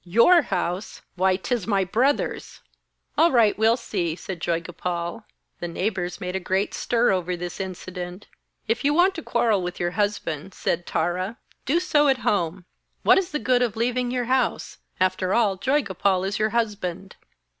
'Your house! Why, 'tis my brother's!' 'All right, we'll see,' said Joygopal. The neighbours made a great stir over this incident. 'If you want to quarrel with your husband,' said Tara, 'do so at home. What is the good of leaving your house? After all, Joygopal is your husband.'